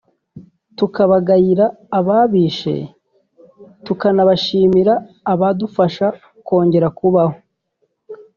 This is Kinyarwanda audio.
tukabagayira ababishe tukanabashimira abadufasha kongera kubaho